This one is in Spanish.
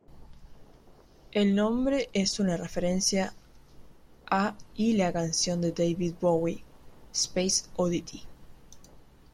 El nombre es una referencia a y la canción de David Bowie "Space Oddity".